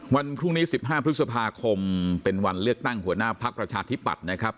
วันพรุ่งนี้๑๕พฤษภาคมเป็นวันเลือกตั้งหัวหน้าพักประชาธิปัตย์นะครับ